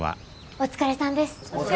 お疲れさまです。